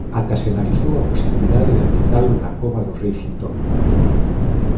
Ata se analizou a posibilidade de aplicalo na cova do Rei Cintolo.